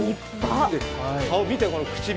顔見て、唇。